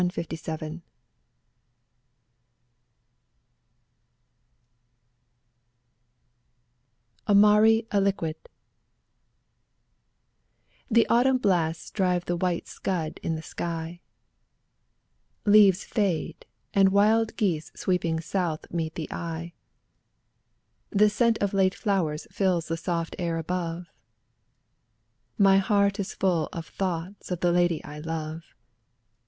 '^ 17 AMARI ALIQUID The autumn blast drives the white scud in the sky, Leaves fade, and wild geese sweeping south meet the eye; The scent of late flowers fills the soft air above, My heart full of thoughts of the lady I love.